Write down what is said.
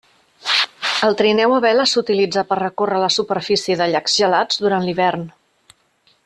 El trineu a vela s'utilitza per recórrer la superfície de llacs gelats durant l'hivern.